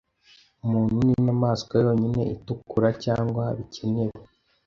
Umuntu ninyamaswa yonyine itukura. Cyangwa bikenewe.